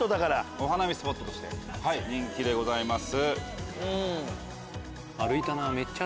お花見スポットとして人気でございます。